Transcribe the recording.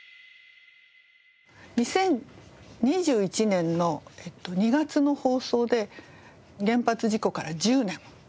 ２０２１年の２月の放送で原発事故から１０年やりました。